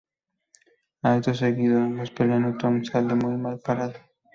Acto seguido, ambos pelean y Tom sale muy mal parado.